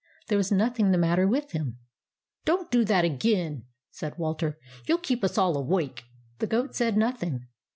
There was nothing the matter with him. " Don't do that again," said Walter. " You '11 keep us all awake." The goat said nothing.